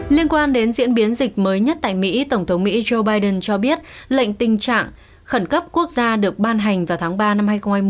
liên quan đến diễn biến dịch mới nhất tại mỹ tổng thống mỹ joe biden cho biết lệnh tình trạng khẩn cấp quốc gia được ban hành vào tháng ba năm hai nghìn hai mươi